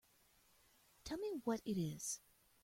Tell me what it is.